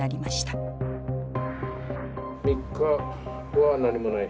３日は何もない。